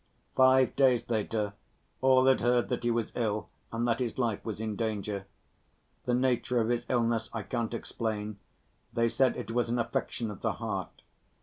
Five days later, all had heard that he was ill and that his life was in danger. The nature of his illness I can't explain, they said it was an affection of the heart.